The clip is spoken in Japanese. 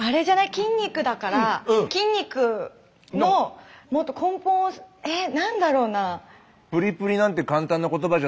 筋肉だから筋肉のもっと根本をえ何だろうな？